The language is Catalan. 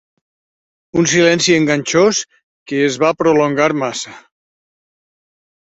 Un silenci enganxós que es va prolongar massa.